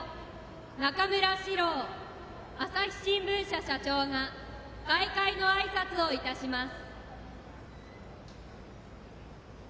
中村史郎朝日新聞社社長が開会のあいさつをいたします。